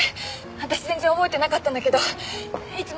私全然覚えてなかったんだけどいつも